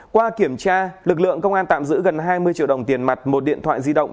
qua kiểm tra lực lượng công an tạm giữ gần hai mươi triệu đồng tiền mặt một điện thoại di động